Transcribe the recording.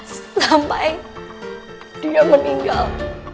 sampai dia meninggal